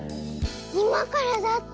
いまからだって！